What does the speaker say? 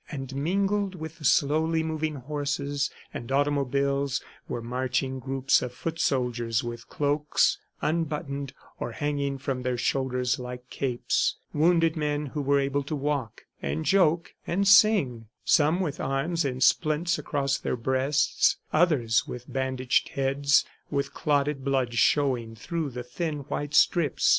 And mingled with the slowly moving horses and automobiles were marching groups of foot soldiers, with cloaks unbuttoned or hanging from their shoulders like capes wounded men who were able to walk and joke and sing, some with arms in splints across their breasts, others with bandaged heads with clotted blood showing through the thin white strips.